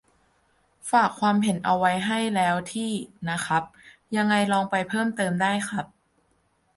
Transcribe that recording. ฝากความเห็นเอาไว้ให้แล้วที่ นะครับ : ยังไงลองไปเพิ่มเติมได้ครับ